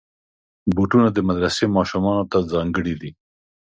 بوټونه د مدرسې ماشومانو ته ځانګړي دي.